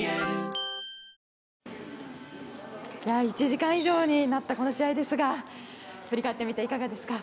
１時間以上になったこの試合ですが振り返ってみていかがですか。